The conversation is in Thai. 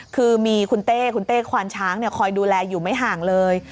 คือมีคุณเต้คุณเต้ควานช้างคอยดูแลอยู่ไม่ห่างเลย